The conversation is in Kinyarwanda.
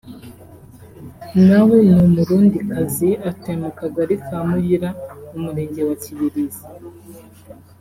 na we ni Umurundikazi atuye mu kagari ka Muyira mu murenge wa Kibirizi